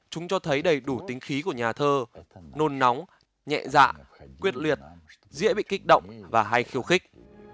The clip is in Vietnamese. chúng cho thấy đầy đủ tính khí của nhà thơ nôn nóng nhẹ dạ quyết liệt dễ bị kích động và hay khiêu khích